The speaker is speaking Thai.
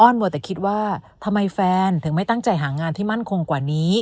มัวแต่คิดว่าทำไมแฟนถึงไม่ตั้งใจหางานที่มั่นคงกว่านี้